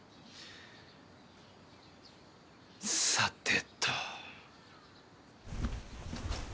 さてと。